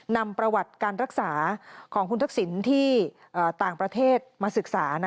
นำประวัติการรักษาของคุณทักษิณที่ต่างประเทศมาศึกษา